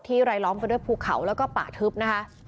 รายล้อมไปด้วยภูเขาแล้วก็ป่าทึบนะคะ